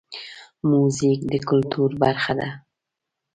موزیک د کلتور برخه ده.